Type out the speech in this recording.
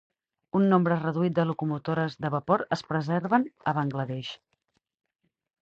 Un nombre reduït de locomotores de vapor es preserven a Bangladesh.